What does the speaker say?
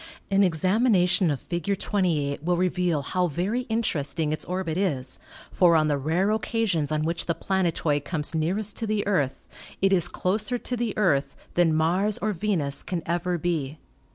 An examination of Fig. 28 will reveal how very interesting its orbit is, for on the rare occasions on which the planet oid comes nearest to the Earth it is closer to the Earth than Mars or Venus can ever be.